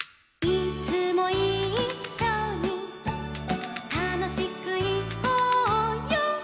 「いつもいっしょにたのしくいこうよ」